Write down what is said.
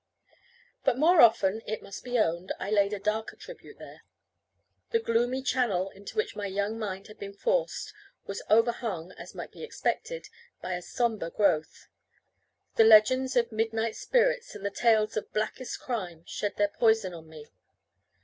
But more often, it must be owned, I laid a darker tribute there. The gloomy channel into which my young mind had been forced was overhung, as might be expected, by a sombre growth. The legends of midnight spirits, and the tales of blackest crime, shed their poison on me.